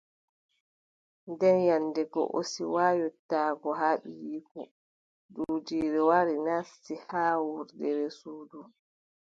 Nden nyande go, o siwa yottaago haa ɓiiyiiko, duujiire wari nasti haa wurdere suudu.